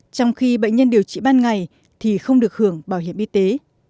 trong khi bệnh nhân điều trị ban ngày thì không được hưởng bảo hiểm y tế